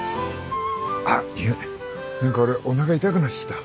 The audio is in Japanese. あっいけね何か俺おなか痛くなってきた。